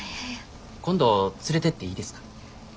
今度連れてっていいですか？